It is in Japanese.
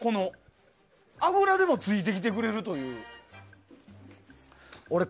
あぐらでもついてきてくれるという。